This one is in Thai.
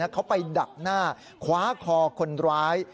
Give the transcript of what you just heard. เขาไปดักหน้าคว้าคอคนร้าย